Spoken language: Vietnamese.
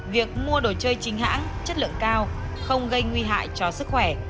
việc mua đồ chơi chính hãng chất lượng cao không gây nguy hại cho sức khỏe